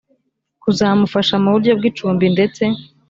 kuzamufasha mu buryo bw icumbi ndetse